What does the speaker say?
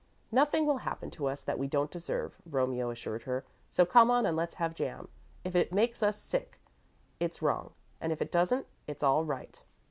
"Nothing will happen to us that we don't deserve," Romeo assured her, "so come on and let's have jam. If it makes us sick, it's wrong, and if it doesn't, it's all right."